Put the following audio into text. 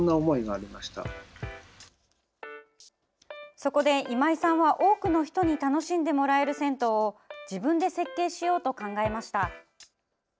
そこで、今井さんは多くの人に楽しんでもらえる銭湯を自分で設計しようと考えました。